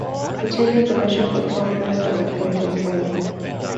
He changes the metric of power based on the point in time.